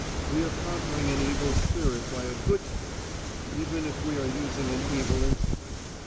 We are conquering an evil spirit by a good spirit, even if we are using an evil instrument.